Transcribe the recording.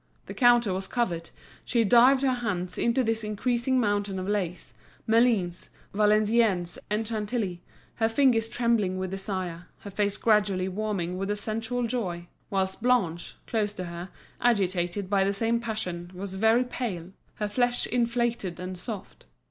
The counter was covered, she dived her hands into this increasing mountain of lace, Malines, Valenciennes, and Chantilly, her fingers trembling with desire, her face gradually warming with a sensual joy; whilst Blanche, close to her, agitated by the same passion, was very pale, her flesh inflated and soft.